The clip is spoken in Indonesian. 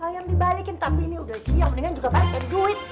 ayam dibalikin tapi ini udah siang mendingan juga balik jadi duit